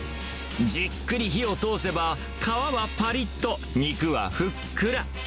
じっくり火を通せば、皮はぱりっと、肉はふっくら。